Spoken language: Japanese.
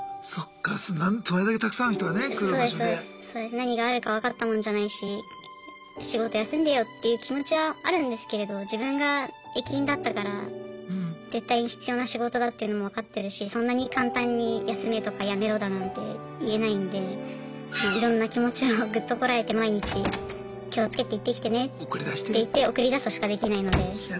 何があるか分かったもんじゃないし仕事休んでよっていう気持ちはあるんですけれど自分が駅員だったから絶対必要な仕事だっていうのも分かってるしそんなに簡単に休めとか辞めろだなんて言えないんでいろんな気持ちをぐっとこらえて毎日気をつけて行ってきてねって言って送り出すしかできないので。